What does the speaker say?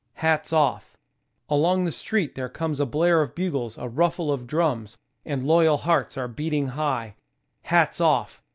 Hats off ! Along the street there comes A blare of bugles, a ruffle of drums. And loyal hearts are beating high: Hats off